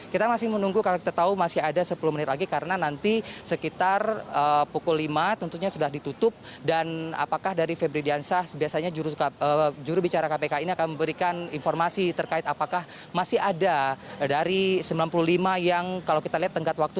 kita masih menunggu karena kita tahu masih ada sepuluh menit lagi karena nanti sekitar pukul lima tentunya sudah ditutup dan apakah dari febri diansah biasanya jurubicara kpk ini akan memberikan informasi terkait apakah masih ada dari sembilan puluh lima yang kalau kita lihat tenggat waktu